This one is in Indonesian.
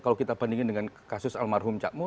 kalau kita bandingkan dengan kasus almarhum